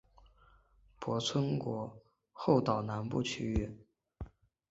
泊村国后岛南部区域。